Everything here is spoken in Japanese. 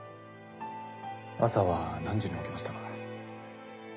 朝は何時に起きましたか？